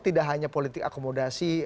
tidak hanya politik akomodasi